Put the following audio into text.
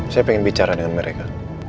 saya ingin bicara dengan mereka